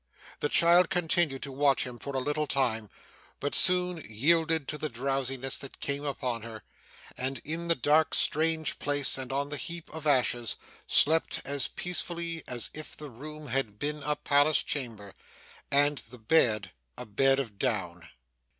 The child continued to watch him for a little time, but soon yielded to the drowsiness that came upon her, and, in the dark strange place and on the heap of ashes, slept as peacefully as if the room had been a palace chamber, and the bed, a bed of down.